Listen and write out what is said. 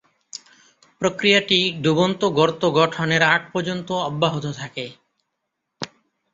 প্রক্রিয়াটি ডুবন্ত গর্ত গঠনের আগ পর্যন্ত অব্যাহত থাকে।